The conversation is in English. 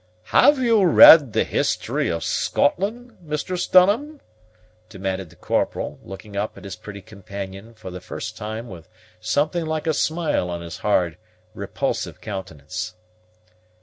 "Have you read the history of Scotland, Mistress Dunham?" demanded the Corporal, looking up at his pretty companion, for the first time with something like a smile on his hard, repulsive countenance.